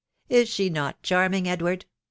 ( Is she not charming, Edward ?